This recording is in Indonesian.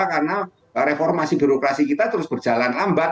karena reformasi birokrasi kita terus berjalan lambat